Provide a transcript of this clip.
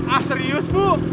ah serius bu